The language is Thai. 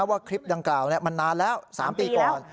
ว่าคลิปดังกล่าวมันนานแล้ว๓ปีก่อน